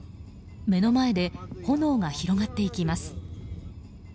目の前で炎が広がっていきます。